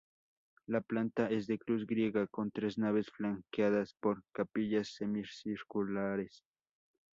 La planta es de cruz griega, con tres naves flanqueadas por capillas semicirculares.